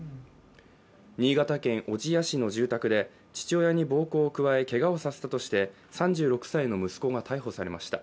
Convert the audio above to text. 新潟県小千谷市の住宅で父親に暴行を加えけがをさせたとして３６歳の息子が逮捕されました。